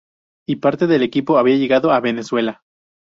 Ya parte del equipo había llegado a Venezuela.